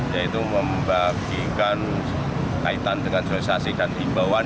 yaitu membagikan kaitan dengan sosialisasi dan imbauan